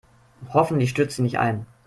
Hoffentlich stürzt sie nicht ein.